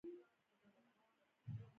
د المونیم تولیدات لرو؟